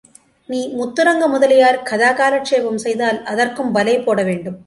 நீ முத்துரங்க முதலியார் கதாகாலட்சேபம் செய்தால் அதற்கும் பலே போடவேண்டும்.